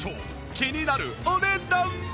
気になるお値段は？